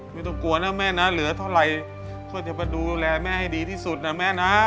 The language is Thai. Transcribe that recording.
ไม่ต้องกลัวนะแม่นะเหลือเท่าไหร่ก็จะมาดูแลแม่ให้ดีที่สุดนะแม่นะ